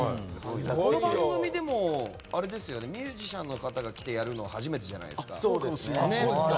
この番組でもミュージシャンの方が来てやるのは初めてですね。